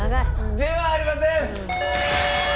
ではありません！